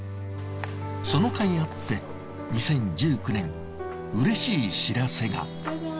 そのかいあって２０１９年うれしい知らせが。